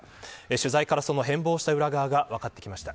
取材から、その変貌した裏側が分かってきました。